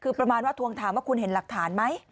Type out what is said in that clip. คือประมาณว่าทวงถามว่าคุณเห็นหลักฐานไหม